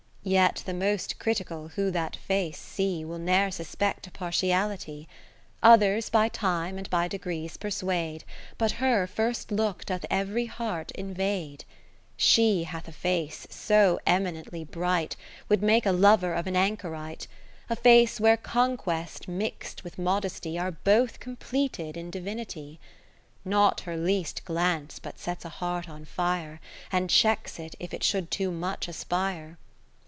Yet the most critical who that face see, Will ne'er suspect a partiality. Others by time and by degrees persuade, But her first look doth every heart invade. 10 She hath a face so eminently bright, Would makeaLoverof an Anchorite: A face where conquest mixt with modesty, Are both completed in Divinity. Katheri7te Philips Not her least glance but sets a heart on fire, And checks it if it should too much aspire.